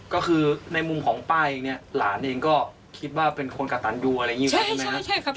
ก็คือในมุมของป้าเองเนี่ยหลานเองก็คิดว่าเป็นคนกระตันยูอะไรอย่างนี้ไว้ใช่ไหมครับ